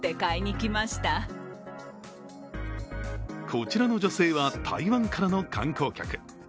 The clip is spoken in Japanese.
こちらの女性は台湾からの観光客。